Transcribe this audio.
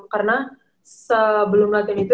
karena sebelum latihan itu